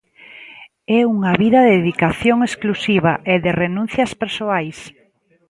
É unha vida de dedicación exclusiva e de renuncias persoais.